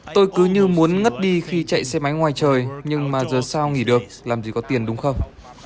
tôi cứ như muốn ngất đi khi chạy xe máy ngoài trời nhưng mà giờ sao nghỉ được làm gì có tiền đúng không